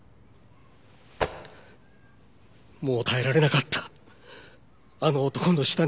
もう耐えられなかったあの男の下にいるのは。